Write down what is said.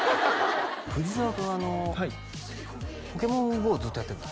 藤澤君「ポケモンＧＯ」ずっとやってんの？